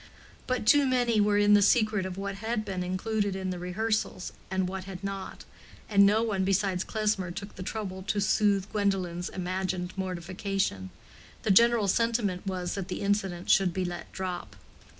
But too many were in the secret of what had been included in the rehearsals, and what had not, and no one besides Klesmer took the trouble to soothe Gwendolen's imagined mortification. The general sentiment was that the incident should be let drop.